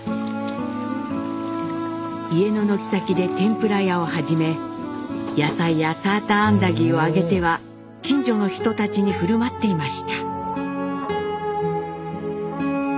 家の軒先で天ぷら屋を始め野菜やサーターアンダギーを揚げては近所の人たちに振る舞っていました。